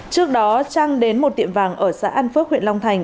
trước đó trang đến một tiệm vàng ở xã an phước huyện long thành